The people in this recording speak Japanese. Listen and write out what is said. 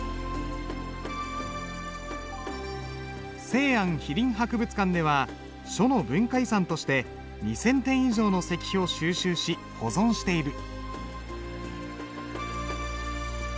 西安碑林博物館では書の文化遺産として２，０００点以上の石碑を収集し保存している。